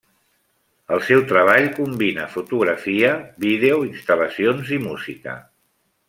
El seu treball combina fotografia, vídeo, instal·lacions i música.